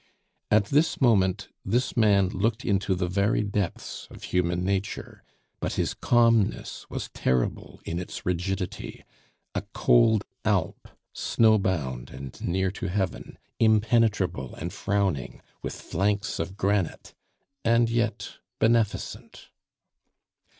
At this moment this man looked into the very depths of human nature, but his calmness was terrible in its rigidity; a cold alp, snow bound and near to heaven, impenetrable and frowning, with flanks of granite, and yet beneficent.